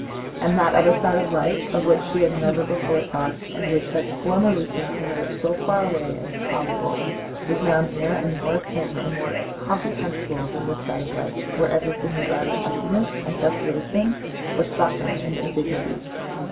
And that other side of life, of which she had never before thought and which had formerly seemed to her so far away and improbable, was now nearer and more akin and more comprehensible than this side of life, where everything was either emptiness and desolation or suffering and indignity.